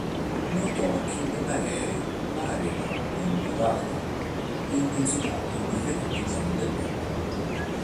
Notò che le maree variano in durata e intensità in differenti zone del mondo.